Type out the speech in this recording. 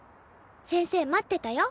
先生待ってたよ。